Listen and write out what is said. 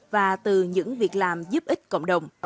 và từ những việc làm giúp ích cộng đồng